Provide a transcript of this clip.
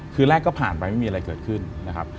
คือแรกก็ผ่านไปไม่มีอะไรเกิดขึ้นนะครับ